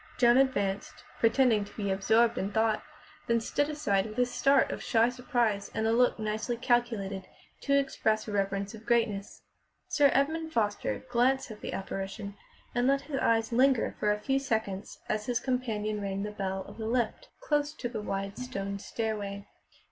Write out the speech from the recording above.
Joan advanced, pretending to be absorbed in thought, then stood aside with a start of shy surprise and a look nicely calculated to express reverence of greatness. Sir Edmund Foster glanced at the apparition and let his eyes linger for a few seconds as his companion rang the bell of the lift, close to the wide stone stairway.